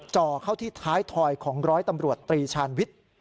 จ่อเข้าที่ท้ายถอยของร้อยตำรวจตรีชาญวิทย์